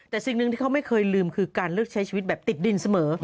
แต่สิ่งหนึ่งที่เขาไม่เคยลืมคือการเลือกใช้ชีวิตแบบติดดินเสมอ